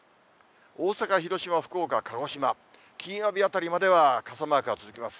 大阪、広島、福岡、鹿児島、金曜日あたりまでは傘マークが続きます。